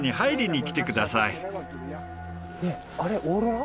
ねえあれオーロラ？